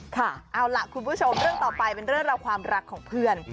ค่ะเอาล่ะคุณผู้ชมเรื่องต่อไปเป็นเรื่องราวความรักของเพื่อน